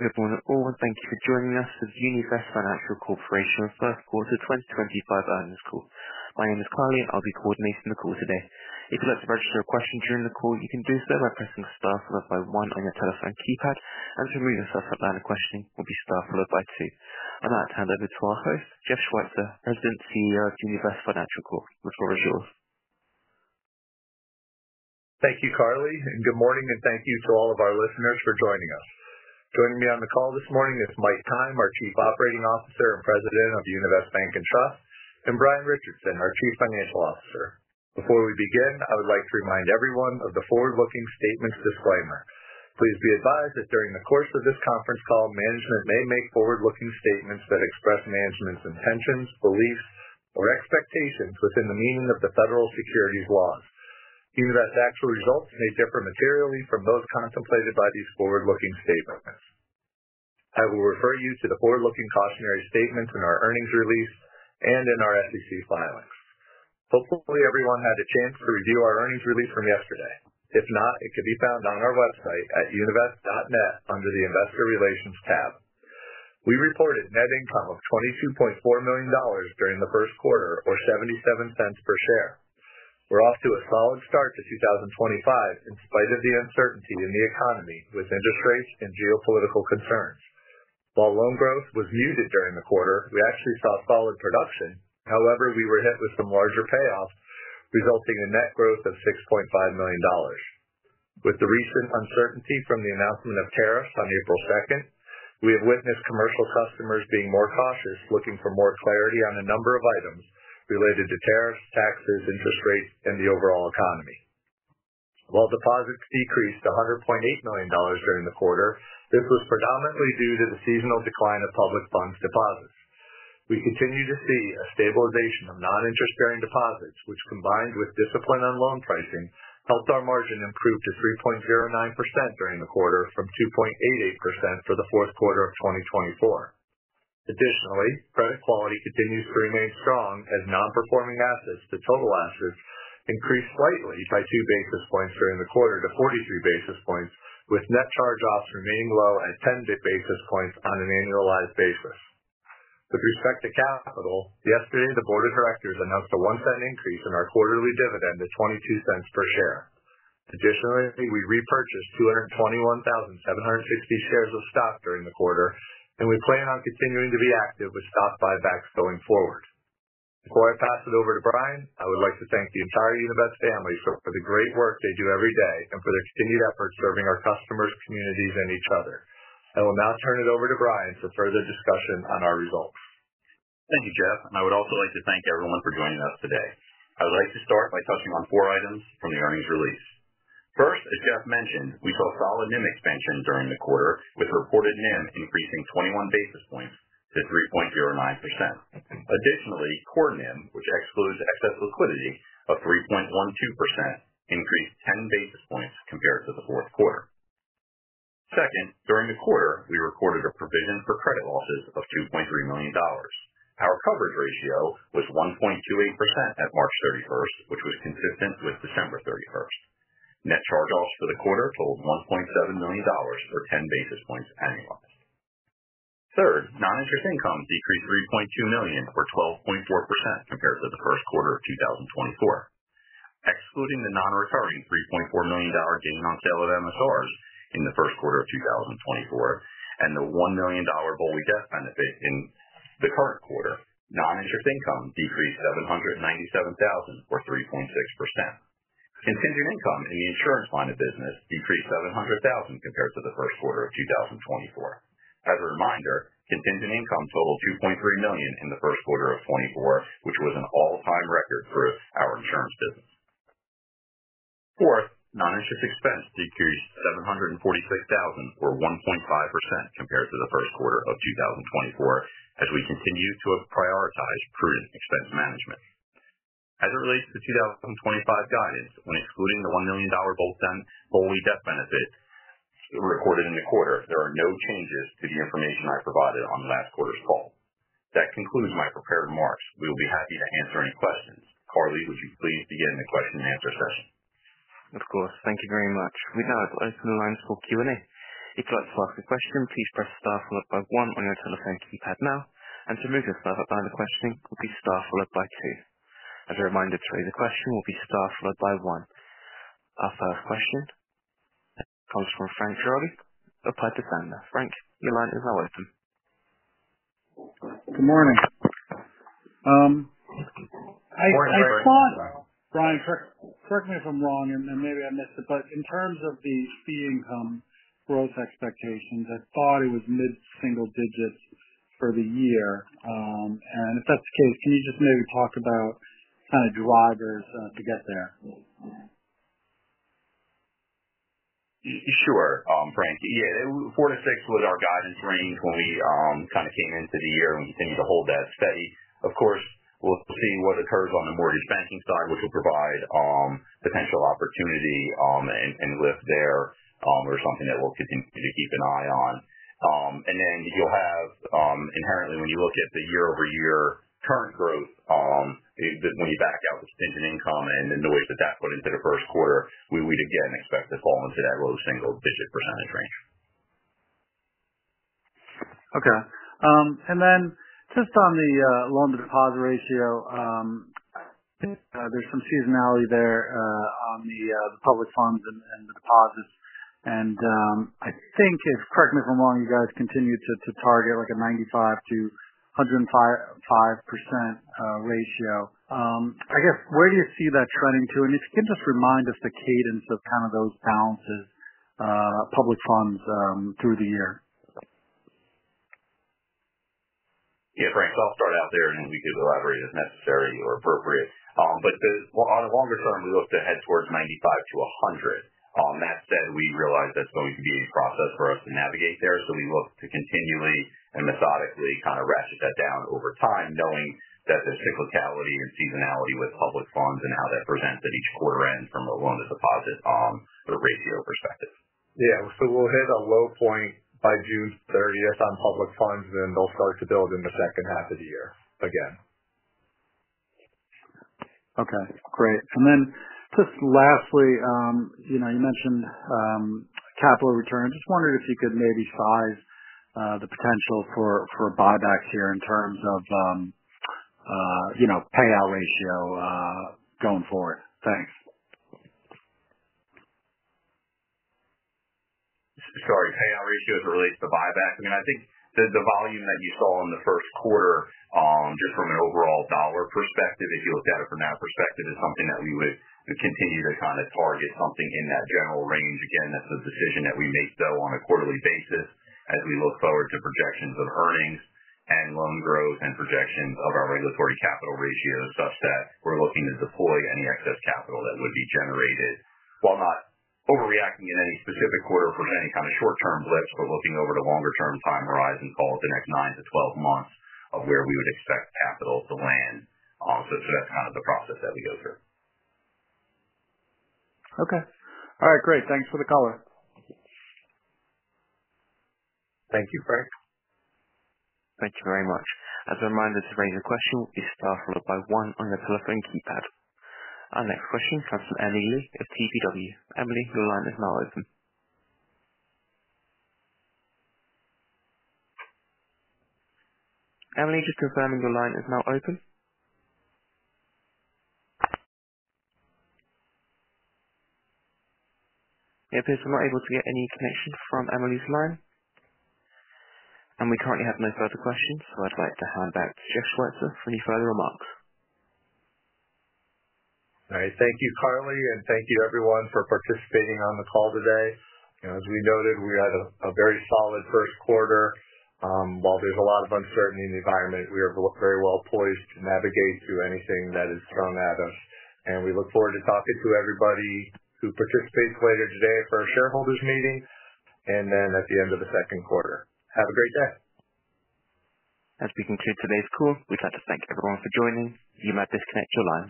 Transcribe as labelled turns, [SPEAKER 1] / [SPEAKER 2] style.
[SPEAKER 1] Good morning, everyone. Thank you for joining us for the Univest Financial Corporation Q1 2025 earnings call. My name is Carly, and I'll be coordinating the call today. If you'd like to register a question during the call, you can do so by pressing star followed by one on your telephone keypad, and to remove yourself from line of questioning, you'll use star followed by two. I'm now going to hand over to our host, Jeff Schweitzer, President and CEO of Univest Financial Corporation. The floor is yours.
[SPEAKER 2] Thank you, Carly, and good morning, and thank you to all of our listeners for joining us. Joining me on the call this morning is Mike Keim, our Chief Operating Officer and President of Univest Bank and Trust, and Brian Richardson, our Chief Financial Officer. Before we begin, I would like to remind everyone of the forward-looking statements disclaimer. Please be advised that during the course of this conference call, management may make forward-looking statements that express management's intentions, beliefs, or expectations within the meaning of the federal securities laws. Univest's actual results may differ materially from those contemplated by these forward-looking statements. I will refer you to the forward-looking cautionary statements in our earnings release and in our SEC filings. Hopefully, everyone had a chance to review our earnings release from yesterday. If not, it can be found on our website at univest.net under the Investor Relations tab. We reported net income of $22.4 million during the Q1, or 77 cents per share. We're off to a solid start to 2025 in spite of the uncertainty in the economy with interest rates and geopolitical concerns. While loan growth was muted during the quarter, we actually saw solid production. However, we were hit with some larger payoffs, resulting in net growth of $6.5 million. With the recent uncertainty from the announcement of tariffs on April 2, we have witnessed commercial customers being more cautious, looking for more clarity on a number of items related to tariffs, taxes, interest rates, and the overall economy. While deposits decreased to $100.8 million during the quarter, this was predominantly due to the seasonal decline of public funds deposits. We continue to see a stabilization of non-interest-bearing deposits, which, combined with discipline on loan pricing, helped our margin improve to 3.09% during the quarter from 2.88% for the Q4 of 2024. Additionally, credit quality continues to remain strong as non-performing assets to total assets increased slightly by two basis points during the quarter to 43 basis points, with net charge-offs remaining low at 10 basis points on an annualized basis. With respect to capital, yesterday the Board of Directors announced a one-cent increase in our quarterly dividend to $0.22 per share. Additionally, we repurchased 221,760 shares of stock during the quarter, and we plan on continuing to be active with stock buybacks going forward. Before I pass it over to Brian, I would like to thank the entire Univest family for the great work they do every day and for their continued efforts serving our customers, communities, and each other. I will now turn it over to Brian for further discussion on our results.
[SPEAKER 3] Thank you, Jeff, and I would also like to thank everyone for joining us today. I would like to start by touching on four items from the earnings release. First, as Jeff mentioned, we saw solid NIM expansion during the quarter, with reported NIM increasing 21 basis points to 3.09%. Additionally, core NIM, which excludes excess liquidity, of 3.12%, increased 10 basis points compared to the Q4. Second, during the quarter, we recorded a provision for credit losses of $2.3 million. Our coverage ratio was 1.28% at March 31, which was consistent with December 31. Net charge-offs for the quarter totaled $1.7 million or 10 basis points annualized. Third, non-interest income decreased $3.2 million or 12.4% compared to the Q1 of 2024. Excluding the non-recurring $3.4 million gain on sale of MSRs in the Q1 of 2024 and the $1 million BOLI death benefit in the current quarter, non-interest income decreased $797,000 or 3.6%. Contingent income in the insurance line of business decreased $700,000 compared to the Q1 of 2024. As a reminder, contingent income totaled $2.3 million in the Q1 of 2024, which was an all-time record for our insurance business. Fourth, non-interest expense decreased $746,000 or 1.5% compared to the Q1 of 2024, as we continue to prioritize prudent expense management. As it relates to the 2025 guidance, when excluding the $1 million BOLI death benefit recorded in the quarter, there are no changes to the information I provided on last quarter's call. That concludes my prepared remarks. We will be happy to answer any questions. Carly, would you please begin the question-and-answer session?
[SPEAKER 1] Of course. Thank you very much. We've now opened the lines for Q&A. If you'd like to ask a question, please press star followed by one on your telephone keypad now, and to remove yourself from line of questioning, you'll be star followed by two. As a reminder, to raise a question, you'll be star followed by one. Our first question comes from Frank Schiraldi of Piper Sandler. Frank, your line is now open.
[SPEAKER 4] Good morning. I thought, Brian, correct me if I'm wrong, and maybe I missed it, but in terms of the fee income growth expectations, I thought it was mid-single digits for the year. If that's the case, can you just maybe talk about kind of drivers to get there?
[SPEAKER 3] Sure, Frank. Yeah, four to six was our guidance range when we kind of came into the year and continued to hold that steady. Of course, we'll see what occurs on the mortgage banking side, which will provide potential opportunity and lift there or something that we'll continue to keep an eye on. You will have inherently, when you look at the year-over-year current growth, when you back out the contingent income and the noise that that put into the Q1, we would again expect to fall into that low single-digit % range.
[SPEAKER 4] Okay. And then just on the loan-to-deposit ratio, there's some seasonality there on the public funds and the deposits. I think, if you correct me if I'm wrong, you guys continue to target like a 95-105% ratio. I guess, where do you see that trending to? If you can just remind us the cadence of kind of those balances, public funds through the year.
[SPEAKER 3] Yeah, Frank, so I'll start out there, and we could elaborate as necessary or appropriate. On a longer term, we look to head towards 95-100. That said, we realize that's going to be a process for us to navigate there, so we look to continually and methodically kind of ratchet that down over time, knowing that there's cyclicality and seasonality with public funds and how that presents at each quarter end from a loan-to-deposit ratio perspective.
[SPEAKER 2] Yeah, we'll hit a low point by June 30 on public funds, and then they'll start to build in the second half of the year again.
[SPEAKER 4] Okay, great. Lastly, you mentioned capital return. I just wondered if you could maybe size the potential for buybacks here in terms of payout ratio going forward. Thanks.
[SPEAKER 3] Sorry, payout ratio as it relates to buyback. I mean, I think the volume that you saw in the Q1, just from an overall dollar perspective, if you looked at it from that perspective, is something that we would continue to kind of target something in that general range. Again, that's a decision that we make, though, on a quarterly basis as we look forward to projections of earnings and loan growth and projections of our regulatory capital ratio such that we're looking to deploy any excess capital that would be generated while not overreacting in any specific quarter for any kind of short-term lifts. We are looking over the longer-term time horizon called the next 9-12 months of where we would expect capital to land. That is kind of the process that we go through.
[SPEAKER 4] Okay. All right, great. Thanks for the color.
[SPEAKER 2] Thank you, Frank.
[SPEAKER 1] Thank you very much. As a reminder, to raise a question, please press star followed by one on your telephone keypad. Our next question comes from Emily of KPW. Emily, your line is now open. Emily, just confirming your line is now open. It appears we are not able to get any connection from Emily's line, and we currently have no further questions, so I would like to hand back to Jeff Schweitzer for any further remarks.
[SPEAKER 2] All right, thank you, Carly, and thank you, everyone, for participating on the call today. As we noted, we had a very solid Q1. While there is a lot of uncertainty in the environment, we are very well poised to navigate through anything that is thrown at us. We look forward to talking to everybody who participates later today for our shareholders' meeting and then at the end of the Q2. Have a great day.
[SPEAKER 1] As we conclude today's call, we'd like to thank everyone for joining. You may disconnect your line.